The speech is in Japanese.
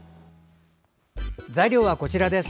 材料はこちらです。